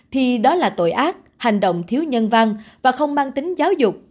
thì đó là tội ác hành động thiếu nhân văn và không mang tính giáo dục